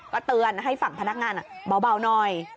ก็เตือนให้ฝั่งพนักงานเบาหน่อย